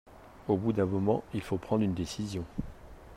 Au bout d'un moment, il faut prendre une décision.